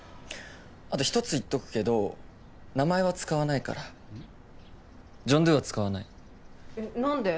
あと一つ言っとくけど名前は使わないからジョン・ドゥは使わないえっ何で？